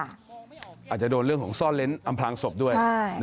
อาจจะโดนเรื่องของซ่อนเล้นอำพลางศพด้วย